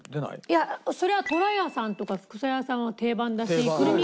いやそりゃとらやさんとか福砂屋さんは定番だしクルミ